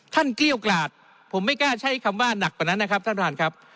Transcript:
เกลี้ยวกลาดผมไม่กล้าใช้คำว่าหนักกว่านั้นนะครับท่านประธานครับ